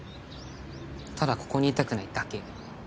ただここにいたくないだけ。